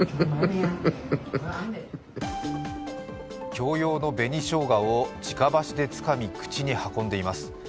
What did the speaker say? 供用の紅しょうがをじか箸でつかみ、かきこんでいます。